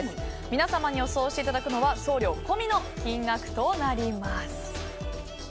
皆様に予想していただくのは送料込みの金額となります。